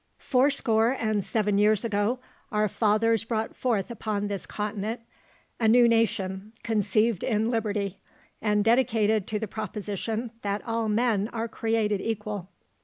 "Four score and seven years ago our fathers brought forth upon this continent a new nation conceived in liberty, and dedicated to the proposition that all men are created equal.